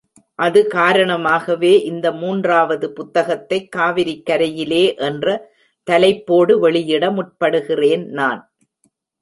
அது காரணமாகவே இந்த மூன்றாவது புத்தகத்தைக் காவிரிக் கரையிலே என்ற தலைப்போடு வெளியிட முற்படுகிறேன் நான்.